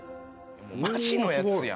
マジのやつやん。